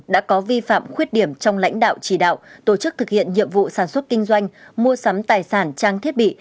đã có vi phạm khuyết điểm trong lãnh đạo chỉ đạo tổ chức thực hiện nhiệm vụ sản xuất kinh doanh mua sắm tài sản trang thiết bị